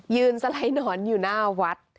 ยืนสะลายหนอนอยู่หน้าวัด